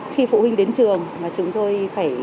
khi phụ huynh đến trường chúng tôi phải